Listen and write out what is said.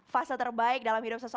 fase terbaik dalam hidup seseorang